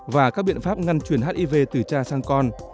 và các biện pháp ngăn truyền hiv từ cha sang con